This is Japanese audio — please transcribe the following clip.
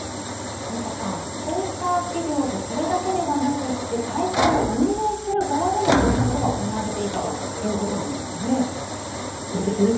住田さん、スポンサー企業とそれだけではなくて大会を運営する側でもこうしたことが行われていたということなんですかね。